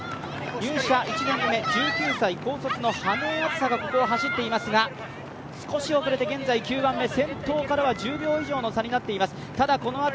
入社１年目、１９歳、高卒の羽江亜津紗が走っていますが少し遅れて現在先頭からは１０秒以上の差となっています。